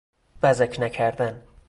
بزک نکردن